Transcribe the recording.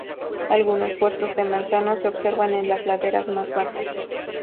Algunos huertos de manzanos se observan en las laderas más bajas.